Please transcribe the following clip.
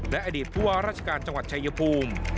และอดีตผู้ว่าราชการจังหวัดชายภูมิ